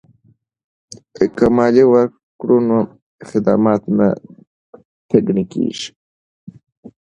که مالیه ورکړو نو خدمات نه ټکنی کیږي.